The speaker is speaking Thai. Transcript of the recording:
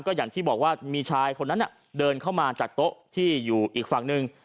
อย่างที่บอกว่ามีชายคนนั้นเดินเข้ามาจากโต๊ะที่อยู่อีกฝั่งหนึ่ง